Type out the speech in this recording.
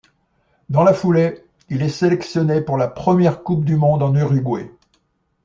Dans la foulée, il est sélectionné pour la première Coupe du monde en Uruguay.